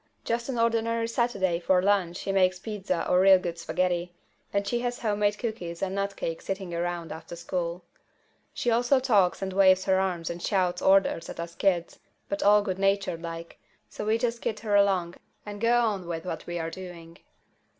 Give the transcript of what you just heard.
Just an ordinary Saturday for lunch she makes pizza or real good spaghetti, and she has homemade cookies and nut cake sitting around after school. She also talks and waves her arms and shouts orders at us kids, but all good natured like, so we just kid her along and go on with what we're doing.